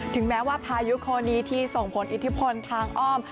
ถึงแม้ว่าพายุโคนนี้ที่ส่งผลอิทธิพลทางอ้อม